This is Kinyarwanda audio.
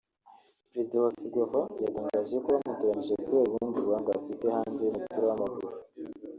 Perezida wa Ferwafa yatangaje ko bamutoranyije kubera ubundi buhanga afite hanze y’umupira w’amaguru